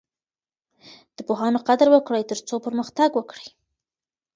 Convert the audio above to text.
د پوهانو قدر وکړئ ترڅو پرمختګ وکړئ.